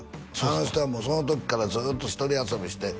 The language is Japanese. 「あの人はもうその時からずっと１人遊びして」